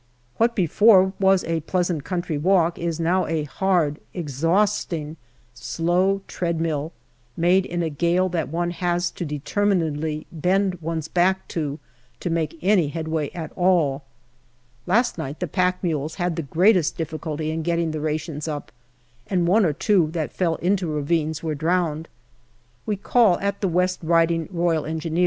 What before was a pleasant country walk is now a hard, exhausting " slow treadmill " made in a gale that one has to determinedly bend one's back to, to make any headway at all. Last night the pack mules had the greatest difficulty in getting the rations up, and one or two that fell into ravines were drowned. We call at the West Riding R.E.